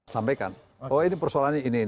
sampaikan bahwa ini persoalannya ini